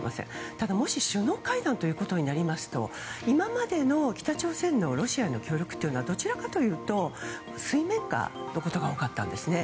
ただ、もし首脳会談ということになりますと今までの北朝鮮のロシアへの協力はどちらかというと水面下のことが多かったんですね。